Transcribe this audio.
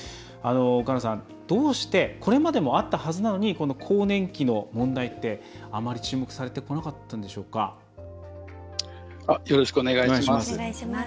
岡野さん、どうしてこれまでもあったはずなのに更年期の問題ってあまり注目されてよろしくお願いします。